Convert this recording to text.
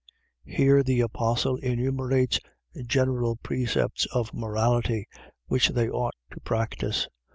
.Here the apostle enumerates general precepts of morality, which they ought to practise.